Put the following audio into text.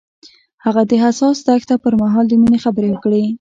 هغه د حساس دښته پر مهال د مینې خبرې وکړې.